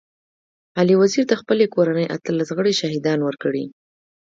علي وزير د خپلي کورنۍ اتلس غړي شهيدان ورکړي.